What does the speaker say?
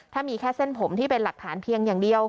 ถ้ามีแค่เส้นผมที่เป็นหลักฐานเพียงอย่างเดียว